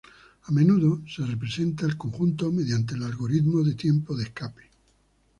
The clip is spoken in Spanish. A menudo se representa el conjunto mediante el algoritmo de tiempo de escape.